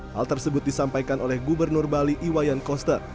hal tersebut disampaikan oleh gubernur bali iwayan koster